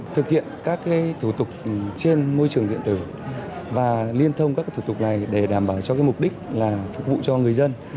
thực hiện các thủ tục trên môi trường điện tử và liên thông các thủ tục này để đảm bảo cho mục đích là phục vụ cho người dân